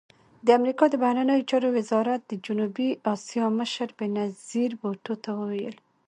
د امریکا د بهرنیو چارو وزارت د جنوبي اسیا مشر بېنظیر بوټو ته وویل